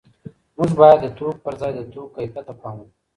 موږ باید د توکو پر ځای د توکو کیفیت ته پام وکړو.